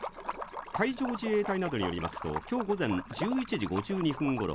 海上自衛隊などによりますと、きょう午前１１時５２分ごろ、